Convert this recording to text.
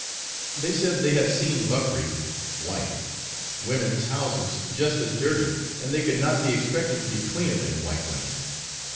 They said they had seen buckree (white) women's houses just as dirty, and they could not be expected to be cleaner than white women.